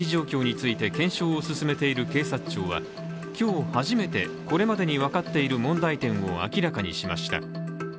当時の警備状況について検証を進めている警察庁は、今日初めてこれまでに分かっている問題点を明らかにしました。